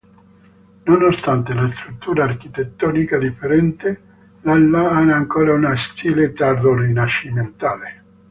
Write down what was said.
Nonostante la struttura architettonica differente, l'ala ha ancora uno stile tardo-rinascimentale.